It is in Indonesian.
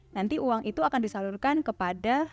nanti uang itu akan disalurkan kepada